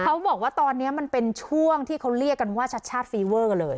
เขาบอกว่าตอนนี้มันเป็นช่วงที่เขาเรียกกันว่าชัดชาติฟีเวอร์เลย